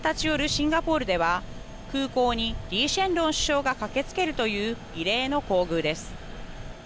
シンガポールでは空港にリー・シェンロン首相が駆けつけるという異例の厚遇です。